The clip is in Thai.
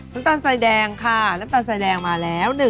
น้ำตาลใส่แดงค่ะน้ำตาลใส่แดงมาแล้ว๑ช้อน